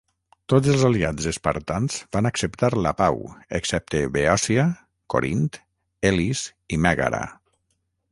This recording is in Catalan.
Tots els aliats espartans van acceptar la pau excepte Beòcia, Corint, Elis i Mègara.